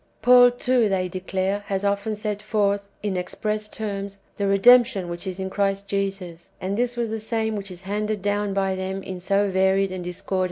""^ Paul, too, they declare, has often set forth, in express terms, the re demption which is in Christ Jesus; and this was the same whicli is handed down by them in so varied and discordant forms.